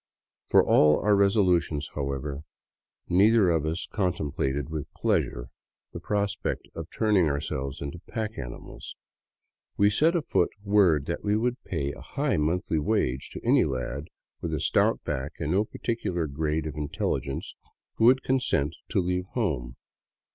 For all our resolutions, however, neither of us contemplated with pleasure the prospect of turning o.urselves into pack animals. W> set afoot word that we would pay a high monthly wage to any lad with a stout back and no particular grade of intelligence who would consent to leave home.